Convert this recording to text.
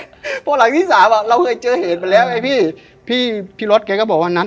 เพราะหลังที่สามอ่ะเราเคยเจอเหตุมาแล้วไอ้พี่พี่รถแกก็บอกว่านัด